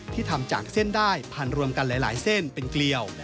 ทำจากเส้นได้พันรวมกันหลายเส้นเป็นเกลียว